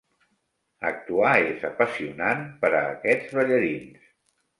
Actuar és apassionant per a aquests ballarins.